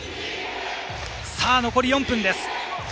残りは４分です。